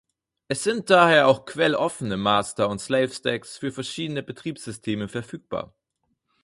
Es sind daher auch quelloffene Master- und Slave-Stacks für verschiedene Betriebssysteme verfügbar.